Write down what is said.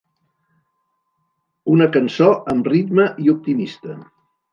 Una cançó amb ritme i optimista.